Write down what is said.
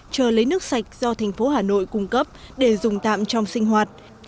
chờ lấy nước sạch do thành phố hà nội cung cấp để dùng tạm trong sinh hoạt